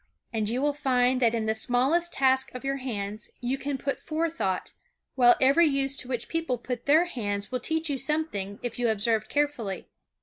And you will find that in the smallest tasks of your hands you can put forethought, while every use to which people put their hands will teach you something if you observe carefully.